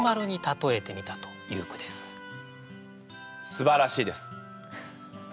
すばらしいです。